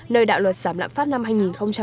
nơi đạo luật giảm lãng phát năng lượng mặt trời